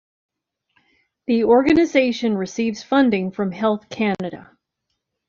The organization receives funding from Health Canada.